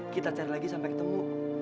kita cari lagi sampai ketemu